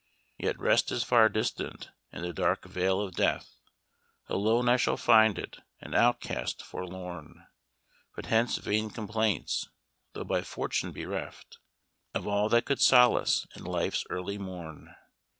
"Yet rest is far distant in the dark vale of death, Alone I shall find it, an outcast forlorn But hence vain complaints, though by fortune bereft Of all that could solace in life's early morn.